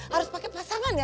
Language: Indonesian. harus pakai pasangan ya